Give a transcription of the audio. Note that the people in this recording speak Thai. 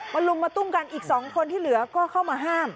ลุมมาตุ้มกันอีก๒คนที่เหลือก็เข้ามาห้าม